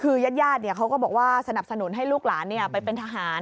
คือญาติเขาก็บอกว่าสนับสนุนให้ลูกหลานไปเป็นทหาร